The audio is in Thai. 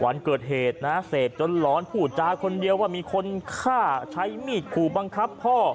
วันเกิดเหตุนะเสพจนหลอนพูดจาคนเดียวว่ามีคนฆ่าใช้มีดขู่บังคับพ่อ